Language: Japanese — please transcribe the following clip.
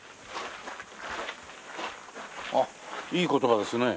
あっいい言葉ですね。